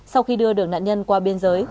sau khi đưa được nạn nhân qua biên giới